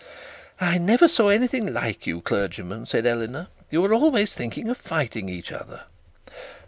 'I never saw anything like you clergymen,' said Eleanor; 'you are always thinking of fighting each other.'